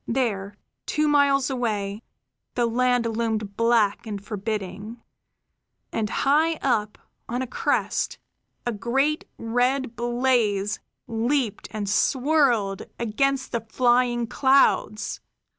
There, two miles away, the land loomed black and forbidding; and high up, on a crest, a great red blaze leaped and swirled against the flying clouds.